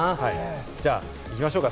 じゃあ行きましょうか？